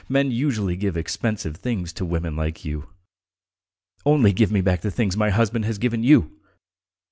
... Men usually give expensive things to women like you. Only give me back the things my husband has given you!"